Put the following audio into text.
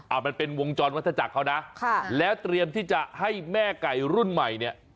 อาจมันเป็นวงจรวรรษจักรเขานะแล้วเตรียมที่จะให้แม่ไก่รุ่นใหม่